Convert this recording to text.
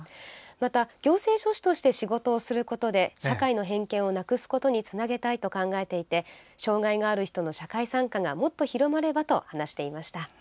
また、行政書士として仕事をすることで社会の偏見をなくすことにつなげたいと考えていて障害がある人の社会参加がもっと広まればと話していました。